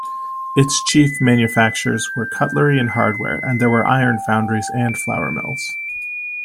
Its chief manufactures were cutlery and hardware, and there were iron-foundries and flour mills.